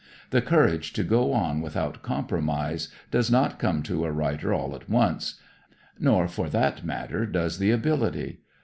The courage to go on without compromise does not come to a writer all at once nor, for that matter, does the ability.